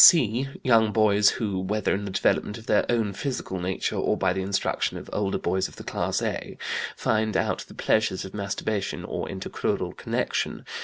"(c) Young boys who, whether in the development of their own physical nature, or by the instruction of older boys of the class (a), find out the pleasures of masturbation or intercrural connection.